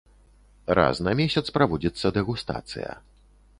Раз на месяц праводзіцца дэгустацыя.